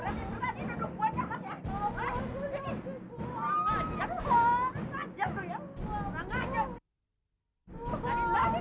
aku mau keluar lagi